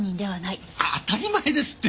当たり前ですって！